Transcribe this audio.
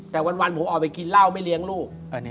แต่วันผมออกไปกินเหล้าไม่เลี้ยงลูก